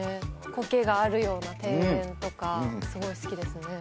コケがあるような庭園とかすごい好きですね